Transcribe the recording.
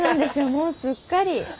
もうすっかり。